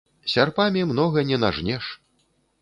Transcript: Сярпамі многа не нажнеш.